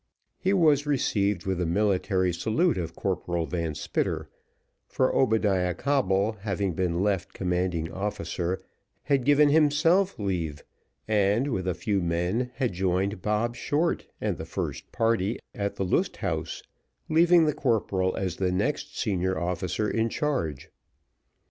He was received with the military salute of Corporal Van Spitter, for Obadiah Coble, having been left commanding officer, had given himself leave, and, with a few men, had joined Dick Short and the first party at the Lust Haus, leaving the corporal as the next senior officer in charge.